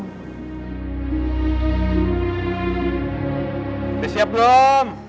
tante siap belum